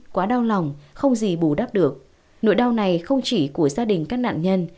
quá đau lòng không gì bù đắp được nỗi đau này không chỉ của gia đình các nạn nhân